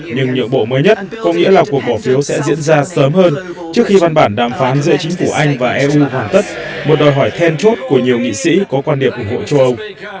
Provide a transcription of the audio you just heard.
nhưng nhượng bộ mới nhất có nghĩa là cuộc bỏ phiếu sẽ diễn ra sớm hơn trước khi văn bản đàm phán giữa chính phủ anh và eu hoàn tất một đòi hỏi then chốt của nhiều nghị sĩ có quan điểm ủng hộ châu âu